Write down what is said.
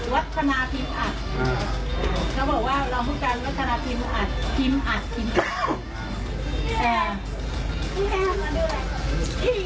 วัฒนาพิมอัตร